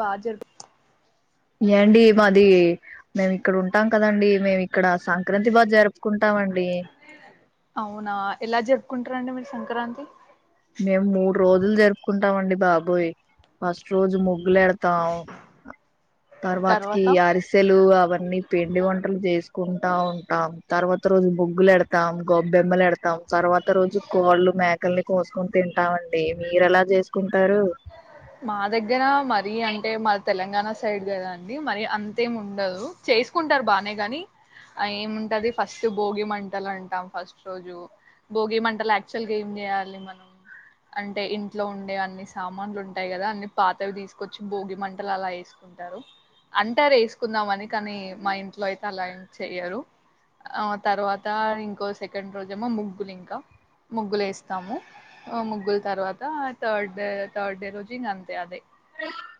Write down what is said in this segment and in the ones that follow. బాజరు ఏండి మాది మేమ్ ఇక్కడుంటాం కదండి మేమిక్కడ సంక్రాంతి బాగా జరుపుకున్ అవునా ఎలా జరుపుకుంట్రాండి మీరు సంక్రాంతి మేము మూడు రోజులు జరుపుకుంటామండి బాబోయ్ ఫస్ట్ రోజు ముగ్గు లెడతాం తర్వాతకి తర్వాత అరిసెలు అవన్నీ పిండి వంటలు చేసుకుంటా ఉంటాం తర్వాత రోజు ముగ్గులెడతాం గొబ్బెమ్మలెడతాం తర్వాత రోజు కోళ్ళు మేకల్ని కోసుకొని తింటామండి మీరెలా చేసుకుంటారు మా దగ్గర మరి అంటే మా తెలంగాణ సైడ్ కదా అండి మరి అంతేం ఉండదు చేసుకుంటారు బానే గని ఏముంటది ఫస్ట్ బోగి మంటలన్టాం ఫస్ట్ రోజు బోగి మంటలు యాక్చువల్ గా ఏం చేయాలి మనం అంటే ఇంట్లో ఉండే అన్ని సామాన్లు ఉన్ టయి కదా అన్ని పాతవి తీసుకొచ్చి బోగి మంటలలా ఏసుకుంటారు అంటే ఏసుకుందామని కానీ మా ఇంట్లో అయితే అలా ఏం చెయరు ఆ తర్వాత ఇంకో సెకండ్ రోజేమో ముగ్గులింకా ముగ్గులేస్తాము ముగ్గుల్ తర్వాత థర్డ్ థర్డ్ డే రోజు ఇంగ్ అంతే అదే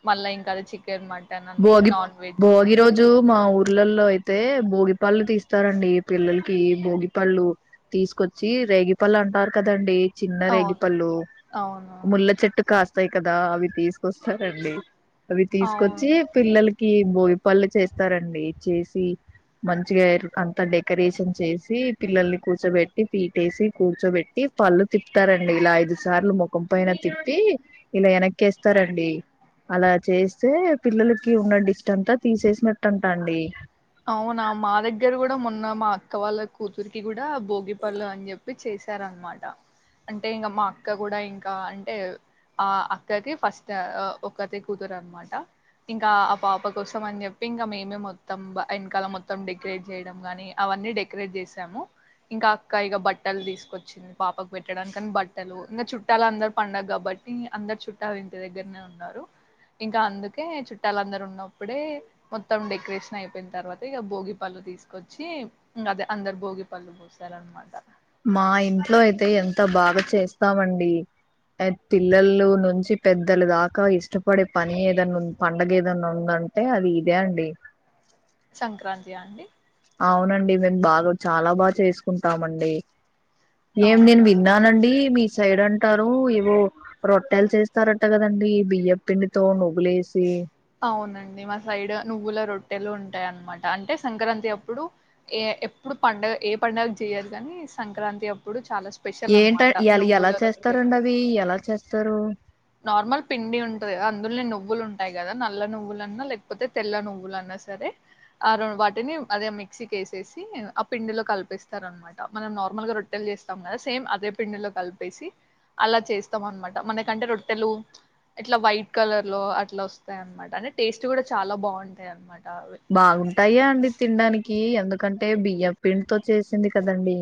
మళ్ళా ఇంకది చిక్ చికెన్ మటన్ అన్ని భోగి నాన్ వెజ్ భోగి రోజు మా ఊర్లలో అయితే భోగిపళ్ళు తీస్తారండి పిల్లలకి భోగి పళ్ళు తీసుకొచ్చి రేగిపళ్ళు అంటారు కదండి చిన్న అవును రేగిపల్లు అవును ముల్ల చెట్టు కాస్ స్తాయి కదా అవి తీసుకొస్తారండి అవి తీసుకో అవును చి పిల్లలక్. కి భోగి పళ్ళు చేస్తారండి. చేసి మంచిగా అంత డెకరేషన్ చేసి పిల్లల్ని కూర్చోబెట్టి పీటేసి కూర్చోబెట్టి పళ్ళు తిప్తారండి ఇలా ఐదు సార్లు ముఖం పైన తిప్పి ఇలా ఎనక్కేస్తారండి అలా చేస్తే. పిల్లలకి ఉన్న డిష్టంతా తీసేసినట్టంటాండి. అవునా మా దగ్గర కూడా మొన్న మా అక్క వాళ్ళ కూతురికి కూడ్. డ భోగి పళ్ళు అని చెప్పి చేస్. రనమాట అంటే ఇంగా మా అక్క కూడా ఇంకా అంటే ఆ‌ అక్కకి ఫస్ట్ అ ఒకతే కూతురనమాట. ఇంకా ఆ పాప కోసమని చెప్పి ఇంకా మేమే మొత్తం వ ఎనకాల మొత్తం డెకరేట్ చేయడం కాని అవన్నీ డెకరేట్ చేసాము. ఇంకా అక్క ఇగ బట్టల్ తీసుకొచ్చింది పాపకు పెట్టడాని కనీ బట్టలు ఇంగా చుట్టాల అందరు పండగ కాబట్టి అందరు చుట్టాలు ఇంటి దగ్గరనే ఉన్నారు. ఇంకా అందుకే చుట్టాల అందరు ఉన్నప్పుడే మొత్తం డెకరేషన్ అయిప్ అయిపోయిన తర్వాత ఇగా భోగి పళ్ళు తీసుకొచ్చి ఇంగదే అందరు భోగి పళ్ళు పోసారనమాట. మా ఇంట్లో అయితే ఎన్. ఎంత బాగా చేస్తామండి పిల్లలు నుంచి పెద్దలు దాకా ఇష్టపడే పని ఏదన్నా ఉన్ పండగేదన్నా ఉందంటే అది ఇదే అండి. సంక్రాంతి ఆ అండి. అవున్నండి మేమ్ బాగా చాలా బాగా చేసుకుంటామండి. ఏం నేన్ అవునా విన్నానండి మీ. సైడ్ అంటారు ఏవో రొట్టెలు చేస్తారట కదండి బియ్యప్పిండితోను. గ్లేసి. డి మా సైడ్ నువ్వుల రొట్టెలు ఉంటాయి అనమాట. అంటే సంక్రాంతి అప్పుడు ఏ ఎప్పుడు పండగ ఏ పండుగ చేయొద్దని సంక్రాంతి అప్పుడు. చాలా స్పెషల్ ఏంట అండ్ అనమాట ఎల్ ఎలా నువ్వుల రొట్టెలు చేస్తారండి అవి ఎలా చేస్తారు. నార్మల్ పిండి ఉంటది కదా అందులనే నువ్వులు ఉంటాయి కదా నల్ల నువ్వులన్నా లేకపోతే తెల్ల నువ్వులన్నా సరే ఆ వాటిని అదే మిక్సీకి వేసేసి ఆ పిండిలో కలిపిస్తారు అనమాట మనం నార్మల్గా రొట్టెలు చేస్తాం కదా సేమ్ అదే పిండిలో కలిపేసి అలా చేస్తాం అనమాట మనకంటే రొట్ టెలు ఇట్లా వైట్ కలర్ లో అట్లా వస్తాయ్ అనమాట. అంటే టేస్ట్ కూడా చాలా బాగుంటాయి అనమాట. అవి బాగుంటాయ అండి తినడానికి ‌. కీ ఎందుకంటే బియ్యం పిండితో చేసింది కదండి.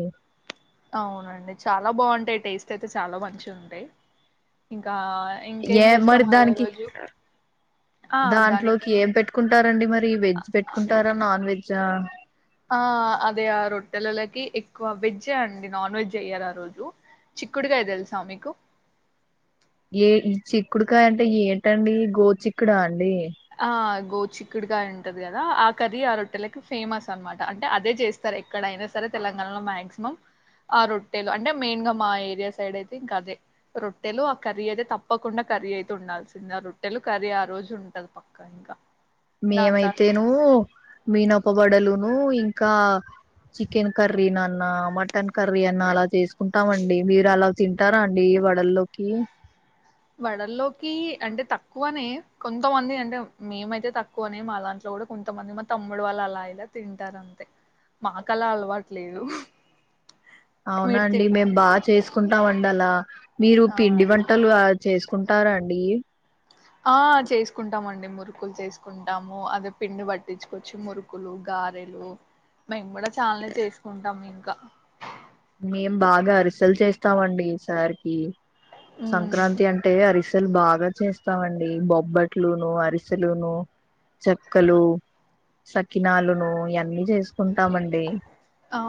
అవునండి చాలా బాగుంటాయి టేస్ట్ అయితే చాలా మంచిగా ఉంటాయి. ఇంకా ఏ ఇంకేం మరి చేస్తాం అదే దానికి రోజు ఆ దాంట్లోకి దానికి ఏం పెట్టుకుంటారండి మరి వెజ్ పెట్టుకుంటారా నాన్ వెజా. ఆ అదే ఆ రొట్టెలలకి ఎక్కువ వెజ్ అండి నాన్ వెజ్ చెయ్యరు ఆరోజు చిక్కుడుగాయ తెలుసా మీకు. ఏ చిక్కుడుకాయ అంటే ఏంటండి గో చిక్కుడా అండి. ఆ గో చిక్కుడుగాయ ఉంటది కదా ఆ కర్రీ ఆ రొట్టెలకి ఫేమస్ అనమాట. అంటే అదే చేస్తారు ఎక్కడైనా సరే తెలంగాణలో మాక్సిమం ఆ రొట్టెలు అంటే మెయిన్ గా మా ఏరియా సైడ్ అయితే ఇంకా అదే రొట్టెలు ఆ కర్రీ అయితే తప్పకుండా కర్రీ అయితే ఉండాల్సిందే ఆ రొట్టెలు కర్రీ ఆ రోజు ఉంటది పక్క. ఇంకా ఇంకా. మేమైతేను మీన ఓక వడలు. ను ఇంకా చికెన్ కర్రీ నా అన్నా మటన్ కర్రీ అన్నా అలా చేసుకుంటామండి మీరు అలా తింటారా అండి వడల్లోకి. వడల్లోకి అంటే తక్కువనే కొంతమంది అంటే మేమైతే తక్కువనే మా అంట్లో కూడా కొంతమంది మా తమ్ముడు వాళ్ళు అలా ఇలా తింటారు అంతే మాకలా అలవాటులేదు. అవునా అండి మేం బాగా చేసుకుంటాం అండి అలా. మీరు ఆ పిండి వంటలు ఆ చేసుకుంటారా అండి ఆ చేసుకుంటామండి. మేము మురుకులు చేసుకుంటాము అదే పిండి పట్టించుకొచ్చి మురుకులు గారెలు మేము కూడా చాలానే చేసుకుంటాము ఇంకా. మేం బాగా అరిసల్ చేస్తామండి ఈసారికి. ఉమ్ సంక్రాంతి అంటే అరిస్. తల్ బాగా చేస్తామండి. బొబ్బట్లును అరిసెలును చెక్కలు సకినలును ఇయన్నీ చేస్ ఆ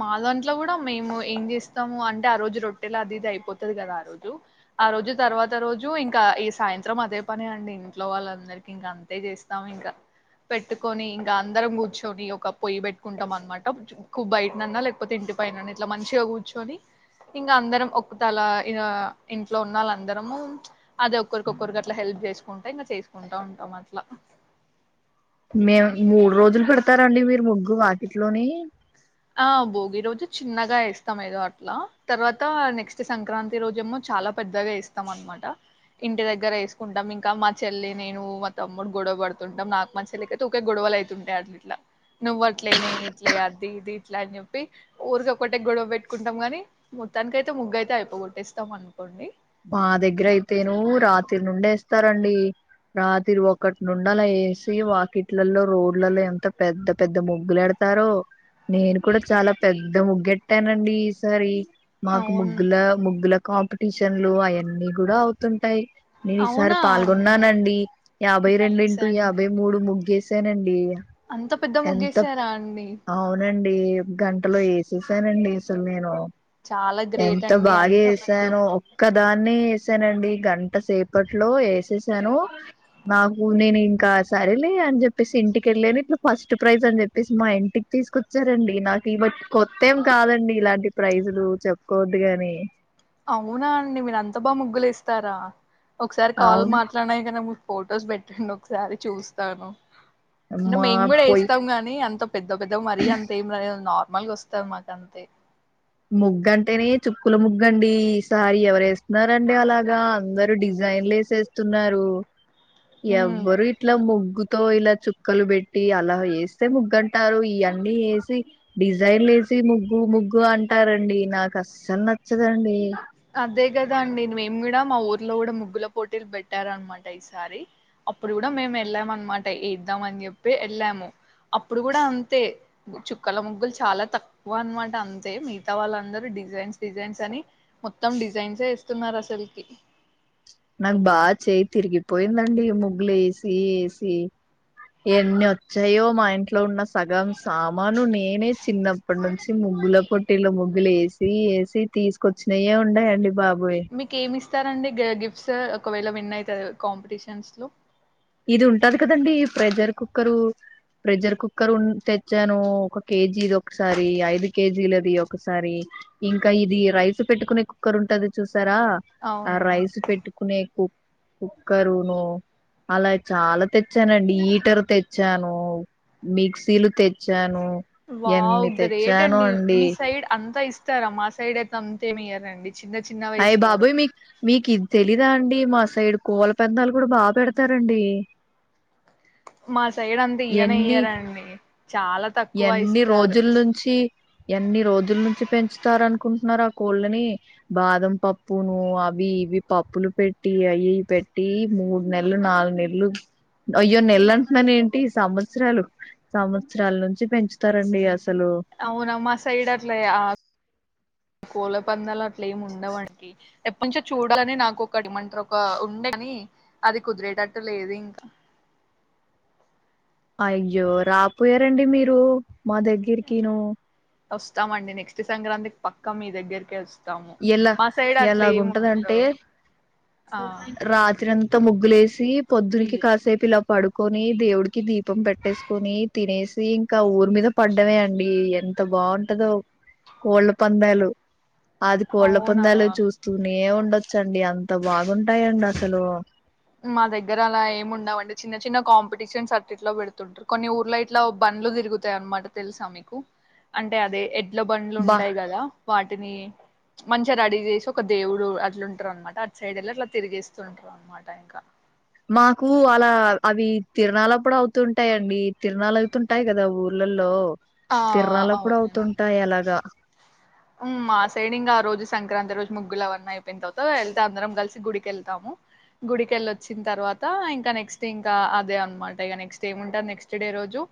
మా దాంట్లో కూడా మేము ఏం చేస్తాము అంటే ఆ రోజు రొట్టెలా అది ఇది అయిపోతది కదా ఆ రోజు ఆ రోజు తర్వాత రోజు ఇంకా ఈ సాయంత్రం అదే పని అండి ఇంట్లో వాళ్ళందరికి ఇంకా అంతే చేస్తాము ఇంకా పెట్టుకొని ఇంకా అందరం కూర్చొని ఒక పొయ్యి పెట్టుకుంటాం అనమాట బయటనన్నా లేకపోతే ఇంటి బయటనన్న ఇట్లా మంచిగా కూర్చుని ఇంకా అందరం ఒ తల ఇంట్లో ఉన్నళ్ళ అందరము అదే ఒక్కరికొక్కరికి అట్లా హెల్ప్ చేసుకుంటా ఇంకా చేసుకుంటా ఉంటాం అట్లా మేము మూడు రోజులు కడతారండి మీరు ముగ్ గు వాకిట్లోని ఆ భోగి రోజు చిన్నగా వేస్తాం ఏదో అట్లా తర్వాత నెక్స్ట్ సంక్రాంతి రోజేమో చాలా పెద్దగా వేస్తాం అనమాట ఇంటి దగ్గర వేసుకుంటాం ఇంకా మా చెల్లి నేను మా తమ్ముడు గొడవ పడుతుంటాం నాకు మా చెల్లిక అయితే గొడవలు అవుతుంటాయి అట్లా ఇట్లా నువ్ అట్లే నేను ఇట్లే అది ఇది ఎట్లా అని చెప్పి ఊరిక ఒకటే గొడవ పెట్టుకుంటాం ని మొత్తానికి అయితే ముగ్గు అయితే అయిపోగొట్టేస్తాం అనుకోండి మా దగ్గర అయితేను రాత్రి నుండే వేస్తారండి రాత్రి ఒకటి నుండి అలా వేసి వాకిట్లలో రోడ్లలో ఎంత పెద్ద పెద్ద ముగ్గులేడతారో నేను కూడా చాలా పెద్ద ముగ్గుఏట్టానండి ఈసారి మాకు అవును ముగ్ల ముగ్గులా కామ్ న్లు అవన్నీ కూడా అవుతుంటాయి నేను ఈసారి అవునా అండి పాల్గొన్నానండి యాభై రెండు నైస్ ఇంటూ అండి యాభై మూడు ముగ్గేసి సేనండి అంత పెద్ద ఎంత ముగ్గేసారా అండి అవునండి గంటలో వేసేసానండి అసలు నేను చాలా గ్రేట్ అండి అంత పెద్ద ముగ్ ఒకదాన్నే వేసానండి గంట సేపట్లో వేసేసాను నాకు నేను ఇంకా సర లే అని చెప్పేసి ఇంటికి వెళ్ళను ఇట్లా ఫస్ట్ ప్రైజ్ అని చెప్పేసి మా ఇంటికి తీసుకొచ్చారండి నాకు ఇ కొత్త ఏం కాదండి ఇలాంటి ప్రైజులు చెప్పుకోవద్దు గాని అవునా అండి మీరంత బా ముగ్గులు వేస్తారా ఒకసారి కాల్ అవును మాట్లాడినాయి కద ఫొటోస్ పెట్టండి ఒకసారి చూస్తాను అంటే అమ్మా మేము కూడా పోయి వేస్తాం గాని అంత పెద్ద పెద్ద మరి అంత ఏంరాదు నార్ మామూల్ గా వస్తాయ్ మాకంతే ముగ్గంటేనే చుక్కుల ముగ్గండి ఈసారి ఎవరు వేస్తున్నారండి అలాగా అందరూ డిజైన్లు వేసేస్తున్నారు ఉమ్ ఎవ్వరు ఇట్లా ముగ్గు తో ఇలా చుక్కలు పెట్టి అలా వేస్తే ముగ్గుంటారు ఇవన్నీ వేసి డిజైన్లు వేసి ముగ్గు ముగ్గు అంట్ అంటారండి నాకు అస్సలు నచ్చదండి అదే కదా అండి మేము కూడా మా ఊర్లో కూడా ముగ్గుల పోటీలు పెట్టార అనమాట ఈసారి అప్పుడు కూడా మేము వెళ్ళాం అనమాట వద్దాం అని చెప్పి వెళ్ళాము అప్పుడు కూడా అంతే చుక్కల ముగ్గులు చాలా తక్కువ అనమాట అంతే మిగతా వాళ్ళందరూ డిజైన్స్ డిజైన్స్ అని మొత్తం డిజైన్సే వేస్తున్నారు అసలుకి నాకు బాగా చేయి తిరిగిపోయిందండి ముగ్గులు వేసి వేసి ఎన్ని వచ్చాయో మా ఇంట్లో ఉన్న సగం సామాను నేనే చిన్నప్పటి నుంచి ముగ్గుల పోటీలో ముగ్గులు వేసి వేసి తీసుకొచ్చినయే ఉన్నాయండి బాబు మీకి ఏమిస్ ఇస్తారండి గిఫ్ట్స్ ఒకవేళ విన్ అయితే కాంపిటీషన్స్ లో ఇది ఉంటది కదండి ప్రెజర్ కుక్కరు ప్రెజర్ కుక్కర్ తెచ్చాను ఒక కేజీ ఇది ఒకసారి ఐదు కేజీలది ఒకసారి ఇంకా ఇది రైస్ పెట్టుకునే కుక్కర్ ఉంటది చూస్ ార ఆ అవునా రైస్ పెట్టుకునే కుక్ కుక్కరును అలా చాలా తెచ్చానండి హీటర్ తెచ్చాను మిక్సీలు తెచ్చాను వావ్ ఎన్ని గ్రేట్ తెచ్చాను అండి మీ సైడ్ అంతా ఇస్తారా మా సైడ్ త్ అంతేమియ్యారండి అయి బాబోయ్ మీ మీకు ఇది తెలీదా అండి మా సైడ్ కోళ్ల పందాలు కూడా బాగా పెడతారండి మా సైడ్ అంత ఇయ్యనే ఎన్ని ఇయ్యారండి చాలా తక్కువ ఎన్ని ఇస్తారు రోజుల నుంచి ఎన్ని రోజుల నుంచి పెంచుతారనుకు కుంటున్నారు ఆ కోళ్ళని బాదం పప్పును అవి ఇవి పప్పులు పెట్టి అవి పెట్టి మూడు నెలలు నాలుగు నెలలు అయ్యో నెలలు అంటున్నాను ఏంటి సంవత్సరాలు సంవత్సరాల నుంచి పెంచుతారండి అస అవునమ్ మా సైడ్ అట్ల కోళ్ల పందాలు ట్లేమ్ ఉండవండి ఎప్పటినుంచో చూడాలని నాకు ఒక అదే మంటారు ఒక ఉండే కాని అది కుదిరేటట్టు లేదు ఇంకా అయ్యో రాపోయారండి మీరు మా దగ్గరికి ను్ వస్తామండి నెక్స్ట్ సంక్రాంతికి పక్క మీ దగ్గరిక వా ఎలా ఎలాగు ఉంటదాంటే ఉండవు ఆ రాత్రి అంత అత్త ముగ్గులేసి పొద్దునికి కాసేపు ఇలా పడుకొని దేవుడికి దీపం పెట్టేసుకొని తినేసి ఇంకా ఊరి మీద పడ్డవే అండి ఎంత బాగుంటదో కోళ్ళ పందాలు అది కోళ్ల అవునా పొందాలు చూస్తూనే ఏ ఉండొచ్చండి అంత బాగుంటాయండి అసలు మా దగ్గర అలా ఏమిండవు అంటే చిన్న చిన్న కాంపిటీషన్స్ అట్లఇట్లో పెడుతుంటారు కొన్ని ఊర్లో ఇట్లా బండ్లు తిరుగుతాయి అన్నమాట తెలుసా మీకు అంటే అదే ఏడ్ల బండ్లు బా ఉంటాయి కదా వా వాటిని మంచిగా ర అడిగేసి ఒక దేవుడు అట్లుంటారు అనమాట అ సైడ్ వెళ్ళ అట్లా తిరిగేస్తుంటారు అనమాట ్యాంకా మాకు అలా అవి తిరణాలప్పుడు అవుతుూంటాయిండి తిరణాలు అవుతుంటాయి కదా ఊర్లలో ఆ తిరణాలప్పుడు అవుతుంటాయి ఎలాగా ఆ సైడ్ ఇంకా ఆ రోజు సంక్రాంతి రోజు ముగ్గులు అవన్నీ అయిపోయిన తర్వాత వెళ్తే అందరం కలిసి గుడికిెళ్తాము గుడికిెళ్ళొచ్చిన తర్వాత ఇంకా నెక్స్ట్ ఇంకా అదే అనమాట ఇక నెక్స్ట్ ఏముంట నెక్స్ట్ డే రోజు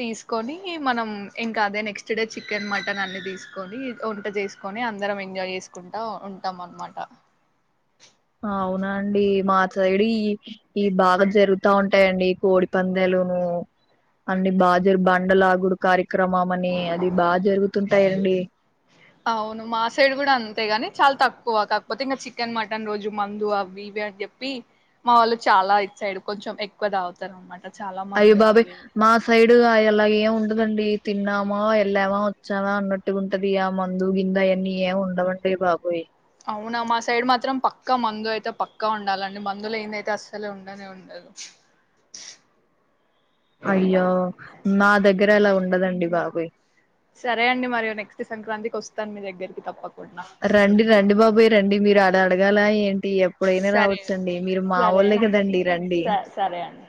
తీసుకొని మనం ఇంకా అదే నెక్స్ట్ డే చికెన్ మటన్ అన్ని తీసు కని వంట చేసుకొని అందరం ఎంజాయ్ చేసుకుంటా ఉంటాం అనమాట అవునా అండి మా సైడు ఈ ఈ బాగా జరుగుతా ఉంటాయండి కోడిపందాలును అన్నిీ బాజురు బండలా గుడి కార క్రమ అని అది బాగా జరుగుతుంటాయిండి అవును మా సైడ్ కూడా అంతే గాని చాలా తక్కువ కాకపోతే ఇంకా చికెన్ మటన్ రోజు మందు అవి ఇవి అని చెప్పి మా వాళ్ళు చాలా ఇ సైడ్ కొంచెం ఎక్కువ తాగుతారు అన్నమాట అయ్యో బాబాయ మా సైడ్గా అలాగ ఏం ఉండదండి తిన్నామా వెళ్ళామా వచ్చానా అన్నట్టు ఉంటది ఆ మందు గిందు అవన్నీ ఏం ఉండవంటేవి బాబోయ అవునా మా సైడ్ మాత్రం పక్కా మందు అయితే పక్కా ఉండాలండి మందులు ఏంద అయితే అస్సలే ఉండనే ఉండదు అయ్యో నా దగ్గర అలా ఉండదండి బాబోయ్ సరే అండి మరి నెక్స్ట్ సంక్రాంతికి వస్తాను మీ దగ్గరకి రండి రండి బాబోయ్ రండి మీరు అడ అడగాల ఏంటి ఎప్పుడైనా సరే రావచ్చండి మీరు మా సరే వాళ్ళే అండి కదండి రండి స సరే అండి